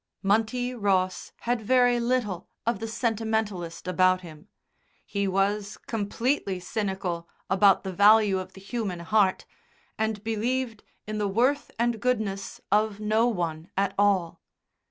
Munty Ross had very little of the sentimentalist about him; he was completely cynical about the value of the human heart, and believed in the worth and goodness of no one at all.